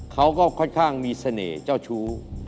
เขาก็ค่อนข้างมีเสน่ห์เจ้าชู้